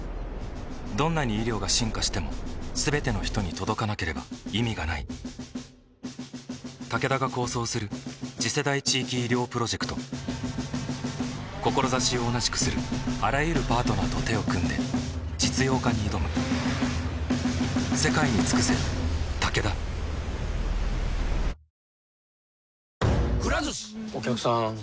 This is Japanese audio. どんなに医療が進化しても全ての人に届かなければ意味がないタケダが構想する次世代地域医療プロジェクト志を同じくするあらゆるパートナーと手を組んで実用化に挑む入んなはれ。